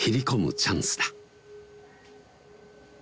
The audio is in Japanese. チャンスだ